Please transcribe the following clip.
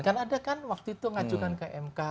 kan ada kan waktu itu ngajukan ke mk